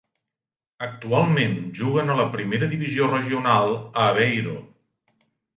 Actualment juguen a la primera divisió regional a Aveiro.